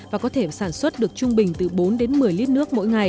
và có thể sản xuất được trung bình từ bốn đến một mươi lít nước mỗi ngày